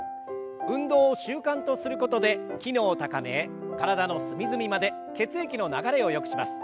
運動を習慣とすることで機能を高め体の隅々まで血液の流れをよくします。